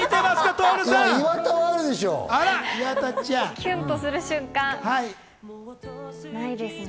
キュンとする瞬間ないですね。